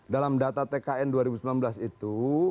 dalam data tkn dua ribu sembilan belas itu